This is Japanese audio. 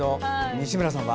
西村さんは？